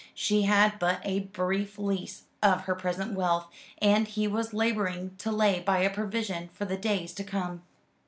She had but a brief lease of her present wealth, and he was labouring to lay by a provision for the days to come.